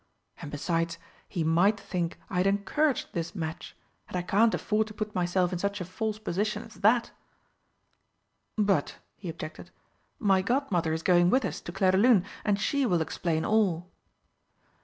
And, besides, he might think I had encouraged this match, and I can't afford to put myself in such a false position as that!" "But," he objected, "my Godmother is going with us to Clairdelune, and she will explain all."